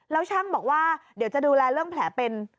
แล้วช่างบอกว่าเดี๋ยวจะดูแลเรื่องแผลเป็น